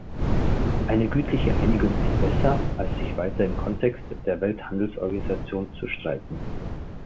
Eine gütliche Einigung ist besser, als sich weiter im Kontext der Welthandelsorganisation zu streiten.